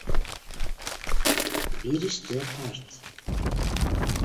Биреште ҡарт.